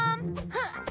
フッ！